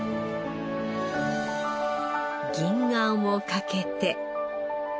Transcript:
銀あんをかけて